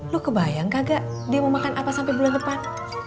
lo kebayang kagak dia mau makan apa sampe bulan depan